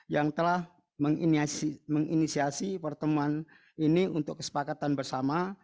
yang telah menginisiasi pertemuan ini untuk kesepakatan bersama